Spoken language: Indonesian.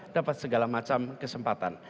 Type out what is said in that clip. dapat segala macam kesempatan